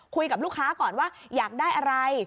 คุยกับลูกค้าก่อนว่าอยากได้อะไร